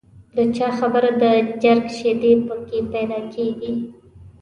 د چا خبره د چرګ شیدې په کې پیدا کېږي.